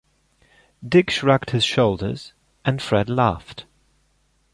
Dick shrugged his shoulders and Fred laughed.